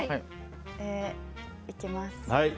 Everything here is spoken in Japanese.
行きます。